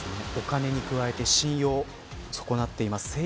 お金に加えて信用を損なっています。